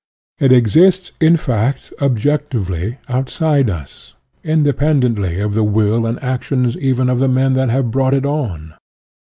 It exists, in fact, objectively, outside us, independently of the will and actions even of the men that have brought it on.